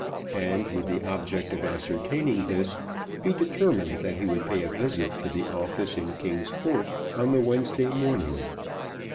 And with the object of ascertaining this, he determined that he would pay a visit to the office in King's Court on the Wednesday morning.